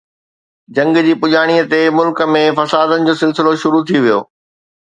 جنگ جي پڄاڻيءَ تي ملڪ ۾ فسادن جو سلسلو شروع ٿي ويو.